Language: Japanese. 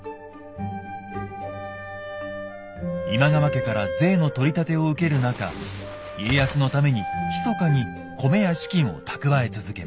今川家から税の取り立てを受ける中家康のためにひそかに米や資金を蓄え続けます。